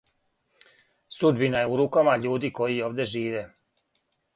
Судбина је у рукама људи који овде живе.